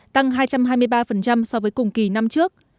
tăng hai trăm hai mươi ba so với cùng kỳ năm trước